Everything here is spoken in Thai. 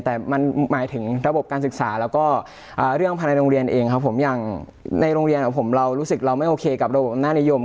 แต่มันหมายถึงระบบการศึกษาแล้วก็เรื่องภายในโรงเรียนเองครับผมอย่างในโรงเรียนของผมเรารู้สึกเราไม่โอเคกับระบบอำนาจนิยม